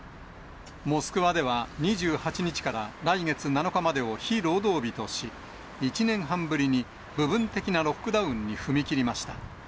モスクワでは２８日から来月７日までを非労働日とし、１年半ぶりに部分的なロックダウンに踏み切りました。